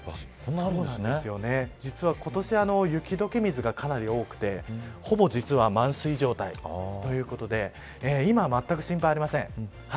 実は今年雪解け水がかなり多くてほぼ、実は満水状態ということで今は、まったく心配ありません。